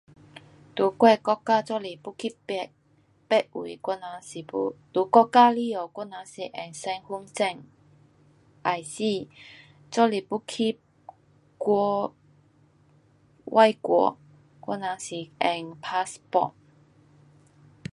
在我的国家若是要去别,别位，我人是要，在国家里下我人是有身份证 IC，若是要去国，外国，我人是用 passport